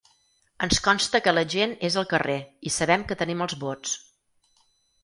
Ens consta que la gent és al carrer i sabem que tenim els vots.